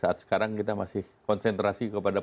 saat sekarang kita masih konsentrasi kepada